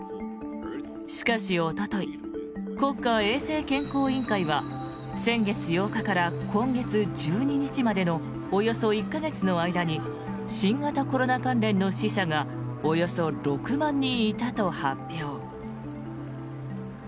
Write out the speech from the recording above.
しかし、おととい国家衛生委員会は先月８日から今月１２日までのおよそ１か月の間に新型コロナ関連の死者がおよそ６万人いたと発表。